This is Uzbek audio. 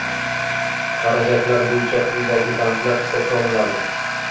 Xarajatlar bo'yicha quyidagi bandlar hisobga olinadi: